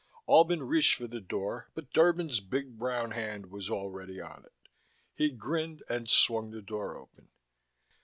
Albin reached for the door but Derban's big brown hand was already on it. He grinned and swung the door open.